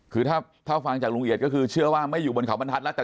คือถ้าฟังจากลุงเอียดก็คือเชื่อว่าไม่อยู่บนเขาบรรทัศน์แล้ว